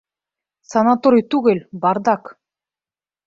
Санаторий түгел, бардак!